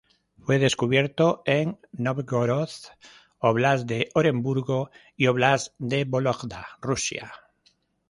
Fue descubierto en Novgorod, Óblast de Oremburgo y Óblast de Vólogda, Russia.